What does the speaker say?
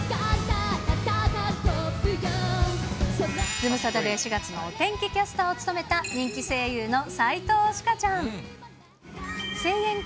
ズムサタで４月のお天気キャスターを務めた人気声優の斉藤朱夏ちゃん。